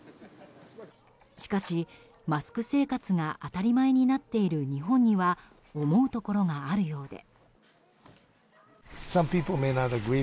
しかし、マスク生活が当たり前になっている日本には思うところがあるようで。